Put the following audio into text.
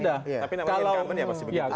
tapi namanya in common ya pasti begitu